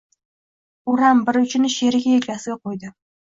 O’ram bir uchini sherigi yelkasiga qo‘ydi.